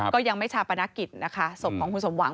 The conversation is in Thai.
ก็ยังไม่ชาปนักกิจสมของคุณสมหวัง